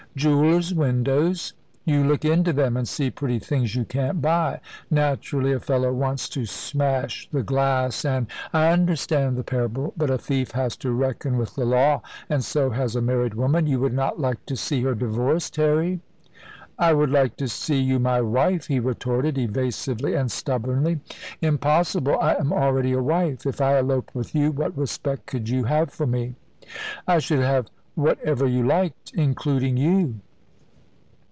"Jewellers' windows?" "You look into them, and see pretty things you can't buy. Naturally, a fellow wants to smash the glass and " "I understand the parable. But a thief has to reckon with the law, and so has a married woman. You would not like to see me divorced, Harry?" "I would like to see you my wife," he retorted, evasively and stubbornly. "Impossible! I am already a wife. If I eloped with you, what respect could you have for me? "I should have whatever you liked, including you."